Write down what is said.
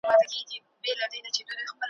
اسمان نیولي سترګي دي برندي ,